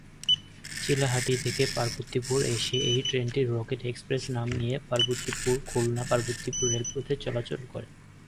চিলাহাটি থেকে পার্বতীপুর এসে এই ট্রেনটি রকেট এক্সপ্রেস নাম নিয়ে পার্বতীপুর-খুলনা-পার্বতীপুর রেলপথে চলাচল করে।